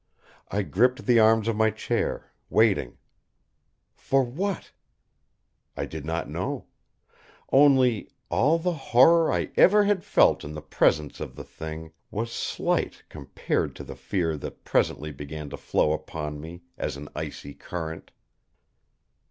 I gripped the arms of my chair, waiting. For what? I did not know. Only, all the horror I ever had felt in the presence of the Thing was slight compared to the fear that presently began to flow upon me as an icy current.